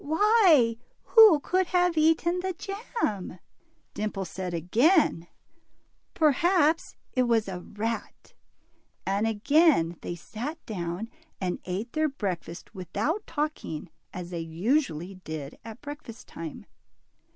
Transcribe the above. Why, who could have eaten the jam ?" Dimple said again, Perhaps it was a rat," and again they sat down and ate their breakfast without talking, as they usually did at breakfast time.